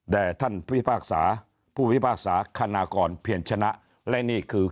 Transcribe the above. แต่ท่านพิพากษาผู้พิพากษาคณากรเพียรชนะและนี่คือ